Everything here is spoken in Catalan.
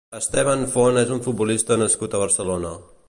Esteban Font és un futbolista nascut a Barcelona.